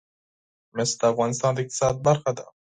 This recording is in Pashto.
مس د افغانستان د اقتصاد برخه ده.